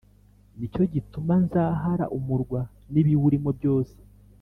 ni cyo gituma nzahara umurwa n’ibiwurimo byose.